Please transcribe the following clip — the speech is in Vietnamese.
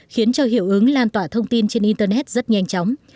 khiến cho hiệu ứng lan tỏa thông tin trên internet rất nhanh chóng